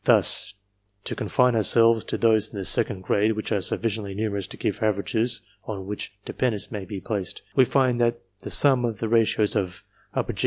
Thus to confine ourselves to those in the second grade, which are sufficiently numerous to give averages on which de pendence may be placed we find that the sum of the ratios of G.